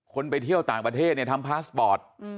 ไปเที่ยวต่างประเทศเนี่ยทำพาสปอร์ต